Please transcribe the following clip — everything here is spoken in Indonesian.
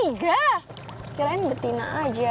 iya sekalian betina aja